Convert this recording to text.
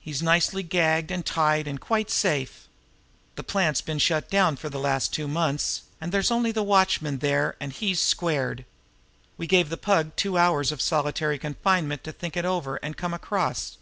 He's nicely gagged, and tied, and quite safe. The plant's been shut down for the last two months, and there's only the watchman there, and he's 'squared.' We gave the Pug two hours of solitary confinement to think it over and come across.